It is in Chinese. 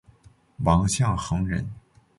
王象恒人。